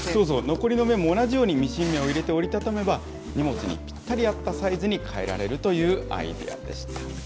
残りの面も同じようにミシン目を入れて折り畳めば、荷物にぴったり合ったサイズに変えられるというアイデアでした。